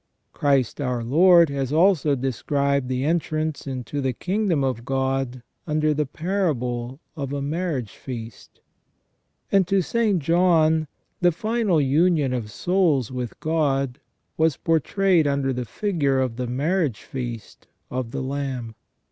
Christ our Lord has also described the entrance into the Kingdom of God under the parable of a marriage feast. And to St. John the final union of souls with God was portrayed under the figure of the marriage feast of the Lamb.